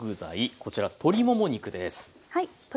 こちら鶏もも肉です。